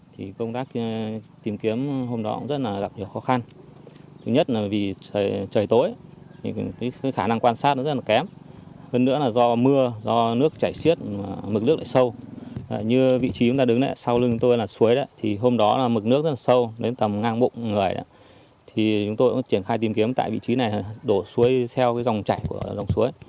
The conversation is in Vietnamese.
thì chúng tôi cũng triển khai tìm kiếm tại vị trí này đổ suối theo dòng chảy của dòng suối